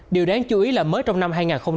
điều đáng chú ý là mới trong năm hai nghìn hai mươi